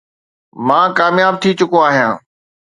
مان ڪامياب ٿي چڪو آهيان.